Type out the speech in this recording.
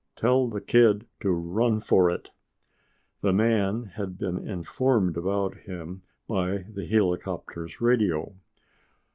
Tell the kid to run for it." The man had been informed about him by the helicopter's radio.